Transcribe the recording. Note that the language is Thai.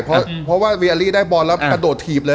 เพราะว่าเวียรี่ได้บอลแล้วกระโดดถีบเลย